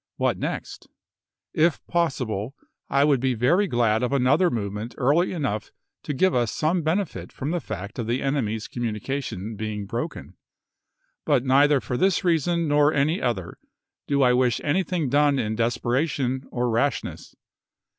What next ? If possible, I would be very glad of another movement early enough to give us some benefit from the fact of the enemy's communi cation being broken ; but neither for this reason nor any other do I wish anything done in despera 197 198 ABRAHAM LINCOLN ch. viii. tion or rashness.